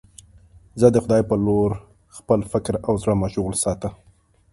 زه د خدای په لور خپل فکر او زړه مشغول ساته.